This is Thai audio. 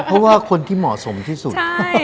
เพราะว่าคนที่เหมาะสมที่สุด